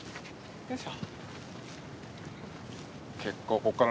よいしょ！